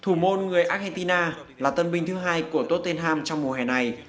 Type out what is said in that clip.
thủ môn người argentina là tân binh thứ hai của tottenham trong mùa hè này